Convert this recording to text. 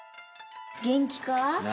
元気か？